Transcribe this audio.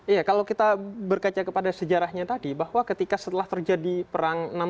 iya kalau kita berkaca kepada sejarahnya tadi bahwa ketika setelah terjadi perang seribu sembilan ratus enam puluh tujuh